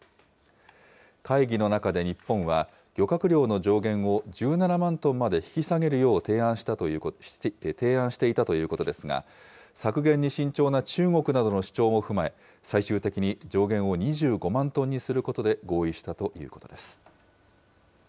会議の中で日本は、漁獲量の上限を１７万トンまで引き下げるよう提案していたということですが、削減に慎重な中国などの主張も踏まえ、最終的に上限を２５万トンにすることで合意したということです。